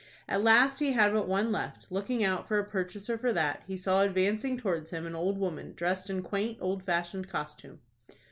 At last he had but one left. Looking out for a purchaser for that, he saw advancing towards him an old woman, dressed in quaint, old fashioned costume.